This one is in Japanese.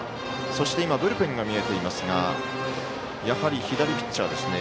そしてブルペンが見えていますがやはり左ピッチャーですね。